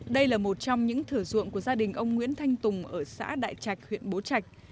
đây là một trong những thửa ruộng của gia đình ông nguyễn thanh tùng ở xã đại trạch huyện bố trạch